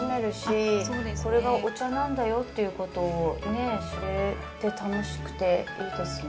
これがお茶なんだよっていうことを知れて楽しくていいですね。